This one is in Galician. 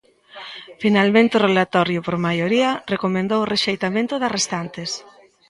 Finalmente, o relatorio, por maioría, recomendou o rexeitamento das restantes.